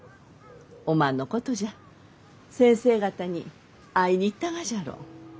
おまんのことじゃ先生方に会いに行ったがじゃろ？